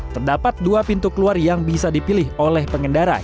terdapat dua pintu keluar yang bisa dipilih oleh pengendara